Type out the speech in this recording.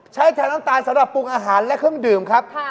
ใช้แทนน้ำตาลสำหรับปรุงอาหารและเครื่องดื่มครับ